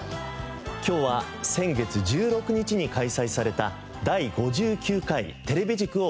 今日は先月１６日に開催された第５９回テレビ塾をお伝えします。